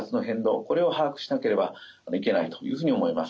これを把握しなければいけないというふうに思います。